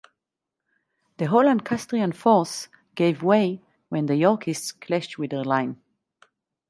The whole Lancastrian force gave way when the Yorkists clashed with their line.